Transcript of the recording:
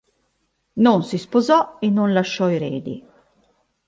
Non si sposò e non lasciò eredi.